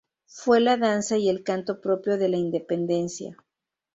Fue la danza y el canto propio de la Independencia.